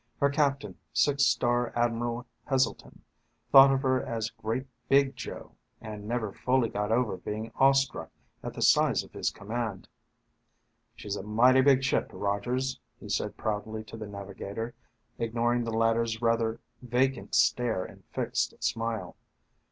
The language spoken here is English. Her captain, six star Admiral Heselton, thought of her as Great Big Joe, and never fully got over being awestruck at the size of his command. "She's a mighty big ship, Rogers," he said proudly to the navigator, ignoring the latter's rather vacant stare and fixed smile.